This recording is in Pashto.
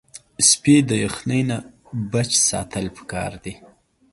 سپي د یخنۍ نه بچ ساتل پکار دي.